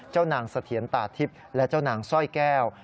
เจ้านางสะเทียนตาทิพย์และเจ้านางสร้อยแก้ว